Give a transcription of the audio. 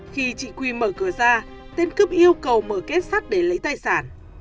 khi chị quy mở cửa ra tên cướp yêu cầu mở kết sắt để lấy tài sản